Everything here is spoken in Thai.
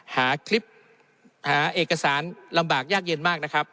หาคลิปหาเอกสารลำบากยากเย็นมากนะครับ